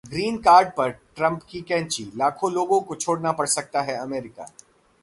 green card पर Trump की कैंची, लाखों लोगों को छोड़ना पड़ सकता है अमेरिका